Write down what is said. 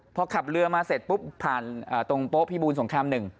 พอขับเรือมาเสร็จปุ๊บผ่านตรงโป๊พิบูลสงคราม๑